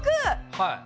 はい。